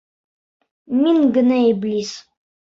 Мин генә Иблис.